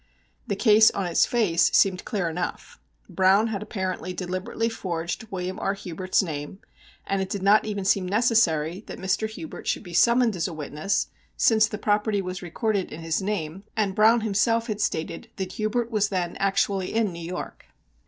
The case on its face seemed clear enough. Browne had apparently deliberately forged William R. Hubert's name, and it did not even seem necessary that Mr. Hubert should be summoned as a witness, since the property was recorded in his name, and Browne himself had stated that Hubert was then actually in New York.